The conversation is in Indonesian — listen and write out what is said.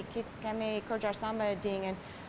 kami kerjasama dengan